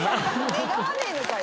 願わねえのかよ。